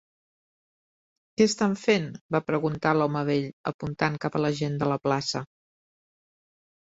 "Què estan fent?", va preguntar l'home vell, apuntant cap a la gent de la plaça.